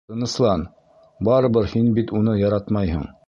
Тыныслан, барыбер һин бит уны яратмайһың.